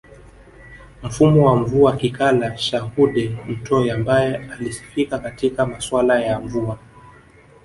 Mfumwa wa Mvua Kikala Shaghude Mtoi ambaye alisifika katika masuala ya mvua